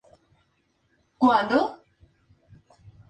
La estación de Red Force está inspirada en una pit stop.